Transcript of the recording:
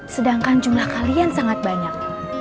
sedangkan jumlah kalian sangat banyak